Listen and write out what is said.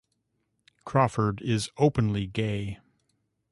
Crawford is openly gay.